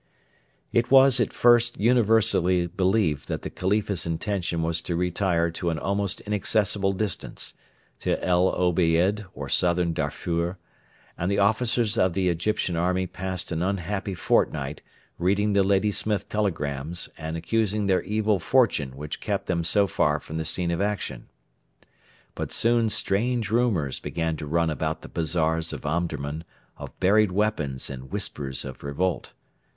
It was at first universally believed that the Khalifa's intention was to retire to an almost inaccessible distance to El Obeid or Southern Darfur and the officers of the Egyptian army passed an unhappy fortnight reading the Ladysmith telegrams and accusing their evil fortune which kept them so far from the scene of action. But soon strange rumours began to run about the bazaars of Omdurman of buried weapons and whispers of revolt.